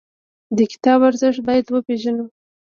د کتاب ارزښت باید وپېژنو.